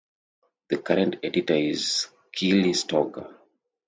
The current editor is Keely Stocker.